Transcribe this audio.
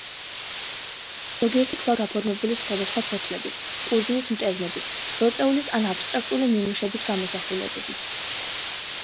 ზოგიერთი ქვა გაფორმებული სხვადასხვა ფოთლების, ყურძნის მტევნების, ბროწეულის ან აბსტრაქტული ნიმუშების გამოსახულებებით.